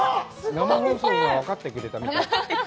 生放送が分かってくれたみたい。